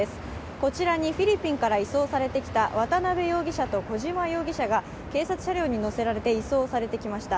こちらにフィリピンから移送されてきた渡辺容疑者と小島容疑者が警察車両に乗せられて移送されてきました。